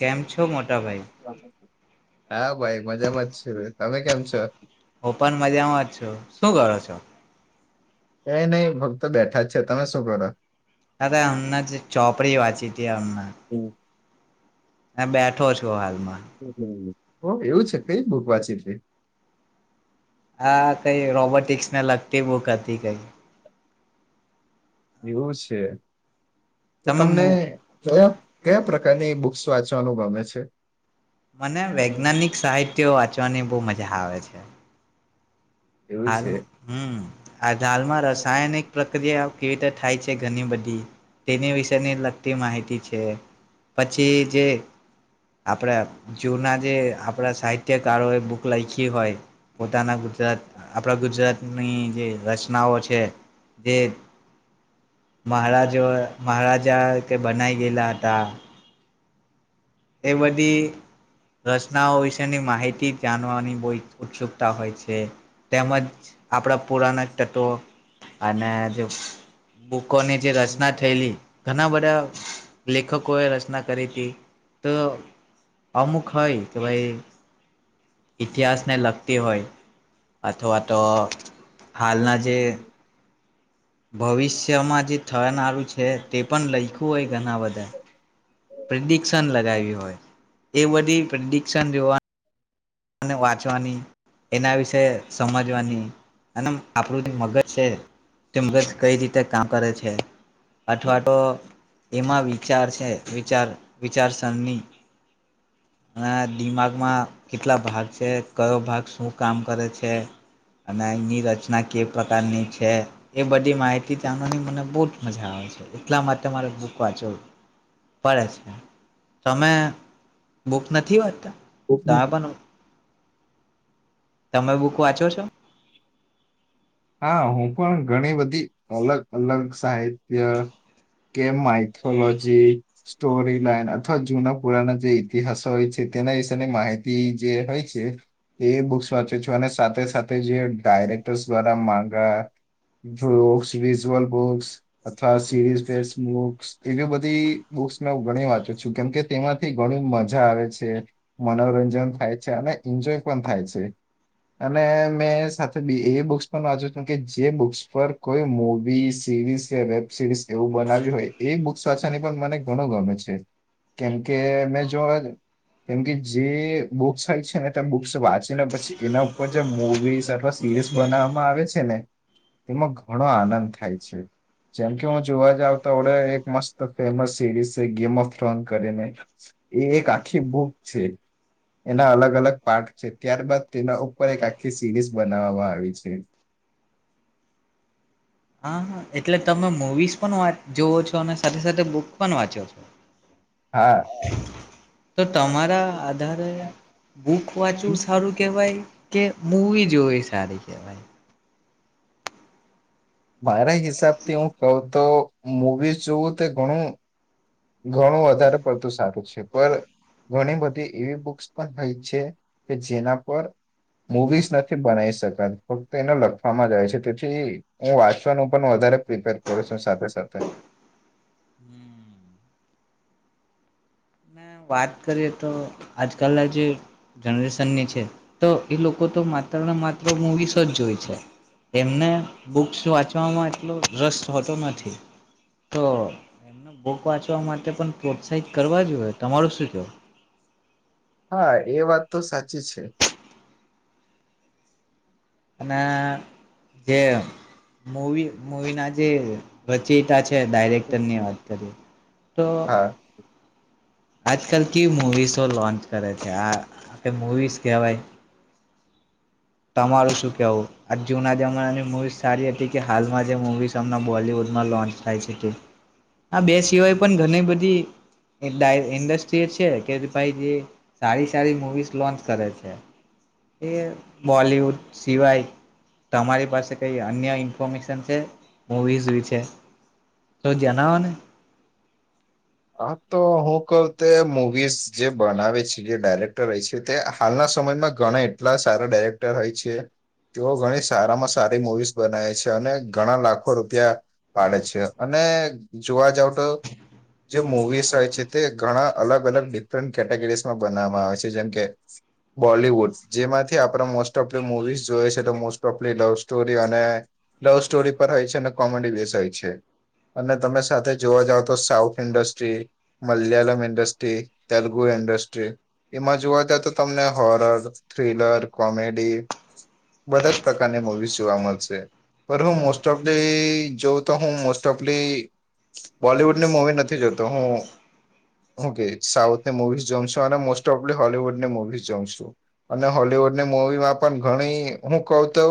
કેમ છો મોટા ભાઈ હા ભાઈ મજામાં જ છે. તમે કેમ છો? ઓપન મજામાં જ છું. શું કરો છો? કઈ નઈ ફક્તો બેઠા જ છે. તમે શું કરો? અરે અમના જે ચોપડી વાંચી હતી અમના. હ બેઠો છો હાલ એવું છે કઈ બુક વાંચી? [inaudible] હા કઈ રોબોટિક્સ ને લગતી બુક. કતી કઈ એવું છે? તો તમે તમને મુ કયા કયા પ્રકારની બુક્સ વાંચવાનું ગમે છે? મને વૈજ્ઞાનિક સાહિત્ય વાંચવાની બહુ મજા આવે છે. એવું હાલ છે હમ આ હાલમાં રસાયણિક પ્રક્રિયા કેવી રીતે થાય છે ઘણી બધી તેની વિશેની લગતી માહિતી છે, પછી જે આપણા જૂના જે આપણા સાહિત્યકારોએ બુક લખી હોય પોતાના ગુજરાત આપણા ગુજરાતની જે રચનાઓ છે જે મહારાજ મહારાજા તે બનાઈ ગેલા હતા. એબધી રચનાઓ વિશેની માહિતી જાનવાની બહુ ઉત્સુકતા હોય છે, તેમજ આપણા પુરાણક તત્વો અને જે બુકોની જે, રચના થયેલી ઘણા બધા લેખકો એ રચના કરેથી તો અમુક હોય કે ભાઈ ઇતિહાસને લગતી હોય, અથવા તો હાલના જે ભવિષ્યમાં જે થનારું છે, તે પણ લખ્યું હોય ઘણા બધા પ્રિડિક્શન લગાવી હોય. એ બધી પ્રેડિક્શન જોવાનું વાંચવાની એના વિશે સમજવાની અને આપણું જે મગજ છે તે મગજ કઈ રીતે કામ કરે છે, અથવા તો એમાં વિચાર છે વિચાર વિચારસરની દિમાગમાં કેટલા ભાગ છે, કયો ભાગ શું કામ કરે છે. અને એની રચના કે પ્રકારની છે. એ બધી માહિતી જાણવાની મને બહુ જ મજા આવે છે એટલા માટે મારે બૂક વાંચવ પડે છે તમે બૂક નથી વાંચતા સ્થાપન તમે બુક વાંચો છો હા હું પણ ઘણી, બધી અલગ અલગ સા ત કે માઇથોલોજી સ્ટોરી લાઈન અથવા જૂના પુરાના જે ઇતિહાસો હોય છે, તેના વિશેની માહિતી જે હોય છે એ બુક્સ વાંચે છો. અને સાથે સાથે જે ડાયરેક્ટર ગા બુક્ વિઝ્યુઅલ બુક્સ અથવા સીરીઝે બુક્સ એવી બધી બુક્સ મે હું ઘણી વાંચું છું કેમ કે તેમાં ઘણી મજા આવે છે મનોરંજન થાય છે અને એન્જોય પણ થાય છે અને મેં સાથે એ બક્ વાચો કે જે બુક્સ પર કોઈ મુવીઝ સીરીઝ યા વેબ સિરીઝ એવું બનાવ્યું હોય એ બુક્સ સાછા ની પણ મને ઘણો ગમે છે. જ કેમકે મે જો કેમ કે જે બુક્સ હોય છે. ને ત બુક્સ વાંચીને પછી એના ઉપર જે મુવીસ અથવા સિરીઝ બનાવ આવે છે ને તેમાં ઘણો આનંદ થાય છે. ચમ હું, જોવા જાવ તો ઓડે એક મસ્ત ફેમસ ચેડીસ ગેમ ઓફ થ્રોન કરીને એ એક આખી બુક છે, એના અલગ અલગ પાર્ટ છે ત્યારબાદ તેના ઉપર એક આખી સિરીઝ બનાવામાં આવી છે. હાા એટલે તમે મૂવીઝ પણ વા જોવો છો અને સાથે સાથે બુક પણ વાંચ્યો છો હા તો તમારા આધારે બુક વાંચવું સારું કેહેવાય કે મુવી જોવી સારી કેહેવાય મારા હિસાબથી હું કહું તો મુવીઝ જોવું તે ઘણું ઘણું વધારે પડતું સારું છે પણ ઘણી બધી ઈવી બુક્સ પણ હોય છે કે જેના પર મુવીઝ નથી બનાવી શક ફક્ત એને લખવામાં જાય છે તેથી હું વાંચવા વધારે પ્રિપેર કર છું સાથે સાથે હમ વાત કરીએ તો આજકાલના જે જનરેશનની છે તો એ લોકો તો માત્ર ને માત્ર મૂવીસ જ જોય છે એમને બુક્સ વાંચવામાં એટલો રસ હોતો નથી તો એમને બુક વાંચવા માટે પણ પ્રોત્સાહિત કરવા જોઈએ તમારું શું છે હા એ વાત તો સાચી છે અને જે મવી મવી ના જે રચેતા છે ડાયરેક્ટરની વાત કરી તો હા આજકાલ કેવી મુવીસો લોન્ચ કરે છે આ આપે મુવીઝ કહેવાય તમારું શું કેવું આ જુના જમાનાની મુવીઝ સારી હતી કે હાલમાં જે મુવીઝમ બોલવુડમાં લોન્ચ થાય છે તે આ બે સિવાય પણ ઘણી બધી ઇન્ડસ્ટ્રી એ છે કે ભાઈ જે સારી સારી મુવીસ લોન્ચ કરે છે એ બોલિવુડ સિવાય તમારી પાસે કઈ અન્ય ઇન્ફોર્મેશન છે મવીઝ છે તો જણાવો ને હ તો હું કહઉ તે મુવીઝ જે બનાવે છે જે ડાયરેક્ટર હોય છે તે હાલના સમયમાં ઘણા એટલા સારા ડાયરેક્ટર હોય છે તેઓ ઘણી સારામાં સારી મવીઝ બનાવે છે અને ઘણા લાખો રૂપિયા પાડે છે અને જોવા જાવ તો જે મુવીસ હોય છે તે ઘણા અલગ અલગ ડિફરન્ટ કેટેગરીસમાં બનાવવામાં આવે છે જેમ કે બોલીિવુડ જેમાંથી આપણા મોસ્ટ ઓફ ધ મુવીઝ જોયએ છે મોસ્ટ તો આપલી લવ સ્ટોરી અને લવ સ્ટોરી પર હોય છે ને કોમેડી બે છે અને તમે સાથે જોવા જાવ તો south industry Malayalam industry Telugu industry એમાં જોવા જ તો તમને હોરર થ્રીિલર કોમેડી બધા પ્રકારની મુવીઝ જોવા મળશે પણ હું મોસ્ટ ઓફલી જોઉં તો હું મોસ્ટ ઓફલી બોલીવુડનીૂવી નથી જોતો હું હું કે સાઉથની મવી જોઉ છું અને મોસ્ટ ઓફલી હોલવુડની મુવી જોઉ છું અને હોલવુડની મવીમાં પણ ઘણી હું કહ તો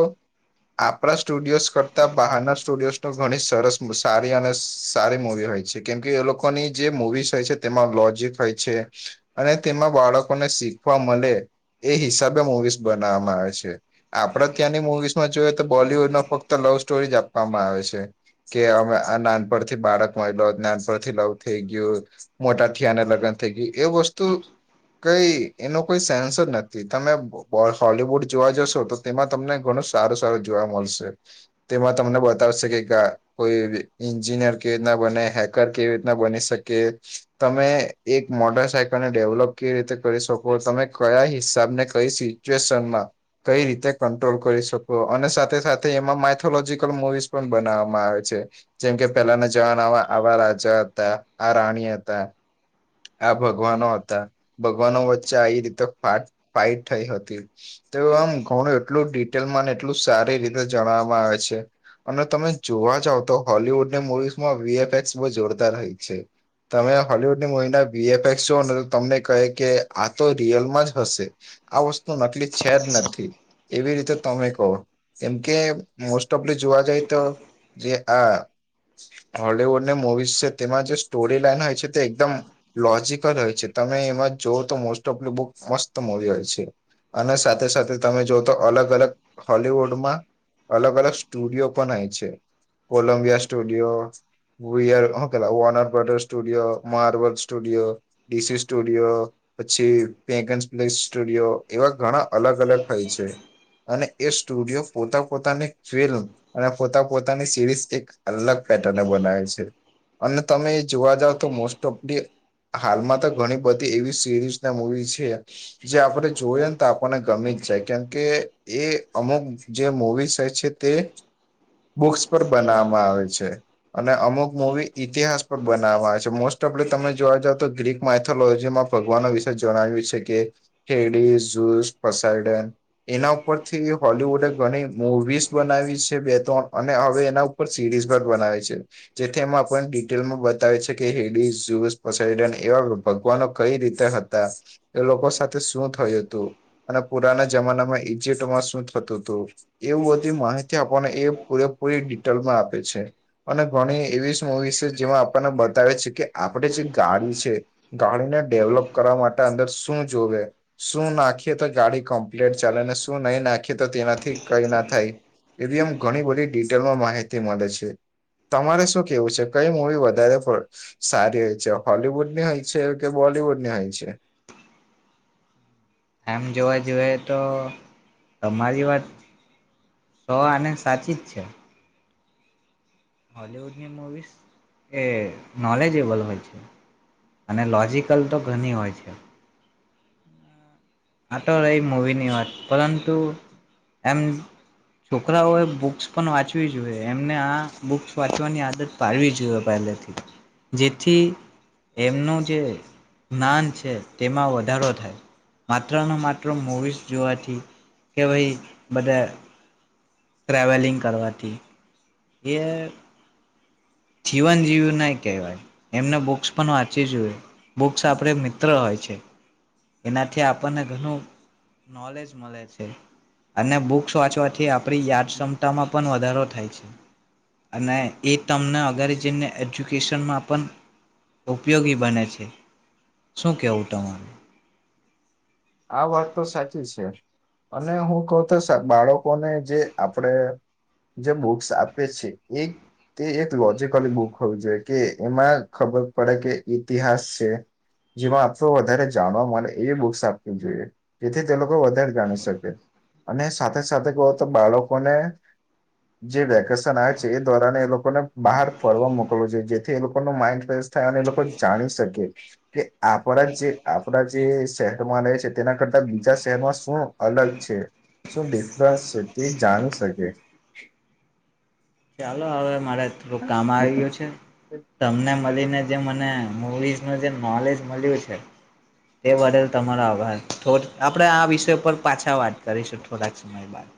આપણા સ્ટુડિયો કરતા બહારના સ્ટુડિયોઝ ન ઘણી સરસ સારી અને સારી મુવી હોય છે કેમ કે એ લોકો ની જે મુવીઝ હોય છે તેમાં લોજિક હોય છે અને તેમાં બાળકોને શીખવા મળે એ હિસાબે મુવીઝ બનાવવામાં આવે છે આપણે ત્યાંની મુવીઝમાં જોઈએ તો બોલીવૂડ ન ફક્ત લવ સ્ટોરી જ આપવામાં આવે છે કે અમે આ નાનપ થી બાળક [unintelligible] નાનપણથી લવ ગ્યું મોટા થીયાને લગ્ન થઈ ગ્યું. એ વસ્તુ કઈ એનો કોઈ સેન્સ જ નથી. તમે બો બો હોલીવુડ જોવા જશો તો તેમાં તમને ઘણું સારું સારું જોવા મળશે. તેમાં તમને બતાવશે કે કા કોઈ એવી ઈન્જિનિયર કેવી ઈતના બને, હેકર કેવી બની શકે. તમે એક મોટર સાયકલને ડેવલોપ કેવી રીતે કરી શકો, તમે કયા હિસાબ ને કઈ સિચ્યુએશનમાં કઈ રીતે કંટ્રોલ કરી શકો અને સાથે સાથે એમાં માઇથોલોજીકલ મુવીઝ પણ બનાવામાં આવે છે. જેમકે પે લાના જહાન આવા આવા રાજા તા, આ રાણી હતા, આ ભગવાનો હતા, ભગવાનો વચ્ચે આઈ રીતે ફાટ ફાઇટ થઈ હતી. તો આમ ઘણું એટલું ડિટેલમાં અને એટલું સારી રીતે જણાવામાં આવે છે અને તમે જોવા જાવ તો હોલવુડને મુવીઝ એસ બહ જોરદ તમે હોલવુડની મહિના બી એફ એસ જોઓ ને તો તમને કહે કે આ તો રિયલમાં જ હશે, આ વસ્તુ નકલી છે જ નથી એવી રીતે તમે કહો. કેમ કે મો સ્ટોપલી જોવા જાય તો જે આ હોલલીવુડ ને મુવીઝ છે. તેમાં જે સ્ટોરી લાઈન હોય છે તે એકદમ લોજકલ હોય છે તમે એમાં જોઓ તો મોસ્ટ ઓફ બુક મસ્ત મૂવી હોય છે, અને સાથે સાથે તમે જોઓ તો અલગ અલગ હોલવુડમાં અલગ અલગ સ્ટુડિયો પણ હોય છે, કોલંબિયા સ્ટુડિયો. બયાર હ. Warner studio, Marvel studio, DC studio, પછી પેગન્ પ્લેસ સ્ટુડિયો એવા ઘણા અલગ અલગ થાય છે, અને એ સ્ટુડિયો પોતા પોતાની ફિલ્મ અને પોતા પોતાની સિરીઝ એક અલગ પેટર્ન ને બનાય છે. અને તમે એ જોવા જાવ તો મોસ્ટ ઓફ હાલમાં તો ઘણી બધી એવી સિરીઝ ના મૂવી છે, જે આપણે જોઈ ને તો આપણને ગમી જ જાય કેમકે એ અમુક જે મવી હોય છે તે, બુક્સ પર બનાવવામાં આવે છે. અને અમુક મવી ઇતિહાસ પર બનાવામાં આવે છે મોસ્ટ ઓફલી તમે જોવા જાવ તો ગ્રીક માથોલોજીમાં ભગવાન વિશે જણાવ્યું છે કે, હેડીસ પસાઈડન એના ઉપરથી હોલિવુડ ઘણી મુવીસ બનાવી છે બે ત્રણ અને હવે એના ઉપર સિરીઝ પણ બનાવે છે. જેથી એમાં પણ ડિટેલમાં બતાવે છે કે, હેડી ઝૂએસ પસાયડન એવા ભગવાનો કઈ રીતે હતા. એ લોકો સાથે શું થયું તું અને પુરાના જમાનામાં ઈજિપ્ટમાં શું થતું તું. એવું બધી માહિતી આપણને એ પૂરેપૂરી ડિટેલમાં આ પે છે અને ઘણી એવી મુવીઝ છે, જેમાં આપણને બતાવે છે કે આ પડે જે ગાડી છે, ગાડી ને ડેવલોપ કરવા મા ટે અંદર શું જોવે. શું નાખીએ તો ગાડી કમ્પ્લેટ ચાલે ને, શું નહી નાખીએ તો તેનાથી કઈ ના થાય. એવી આમ ઘણી બધી ડિટેલમાં માહિ તે મળે છે. તમારે શું કેવું છે? કઈ મુવી વધારે પ સારી હોય છે, હોલવુડની હોય છે કે બોલીવુડની હોય છે? આમ જોવા જોએ તો તમારી વાત સૌ અને સાચી જ છે હોૉલિવૂડની મૂવીિઝ એ નોલેજેબલ હોય છે અને લોૉજિકલ તો ઘણી હોય છે આ તો રહી મૂવીની વાત પરંતુ એમ છોકરાઓએ બુક્સ પણ વાંચવી જોઈએ એમને આ બુક્સ વાંચવાની આદત પાડવી જોઈએ પહેલેથી જેથી એમનું જે જ્ઞાન છે તેમાં વધારો થાય માત્રને માત્ર મૂવીઝ જોવાથી કે ભાઈ બધા ટ્રાવલિંગ કરવાથી એ જીવન જીવ્યું નહી કહેવાય એમને બુક્સ પણ વાંચવી જોઈએ બુક્સ આપણે મિત્ર હોય છે એનાથી આપણને ઘણું નોલેજ મળે છે અને બુક્સ વાંચવાચ કે આપણી યાદ ક્ષમતામાં પણ વધારો થાય થાય છે અને એ તમને અગરે જઈને એજ્યુકેશનમાં પણ ઉપયોગી બને છે શું કહેવું તમારું આ વાત તો સાચી છે અને હું કઉ તો બાળકોને જે આપડે જે બુક્સ આપ છે એક તે એક લોજકલી બુક હોવી જોઈ કે એમાં ખબર પડે કે ઇતિહાસ છે જેમાં આપ વધારે જાણવા મળ એ બુક્સ જોઈ જેથી તે લોકો વધારે જામ શકે અને સાથે સાથે કહો તો બાળકોને જે વેકેશન આવે છે એ દ્વારાને એ લોકોને બહાર ફરવા મોકલવું જોઈએ જેથી એ લોકોનો માઈન્ડ ફ્રેશ થાય અને એ લોકો જાણી શકે કે આપણા જે આપણા જે છે છે તેના કરતા બીજા શહેરમાં શું અલગ છે શું ડિફરન્સ છે તે જાણી શકે પ ચાલો આવે મારે કામ આવી છે તમને મળીને જે મને મઝ ન જે નોલેજ મળ્યું છે તે બદલ તમારો આભાર આપણેે આ વિષય પર પાછા વાત કરીશું થોડાક સમય બાદ